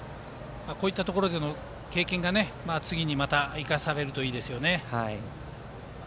こういうところでの経験が次にまた生かされるといいですね。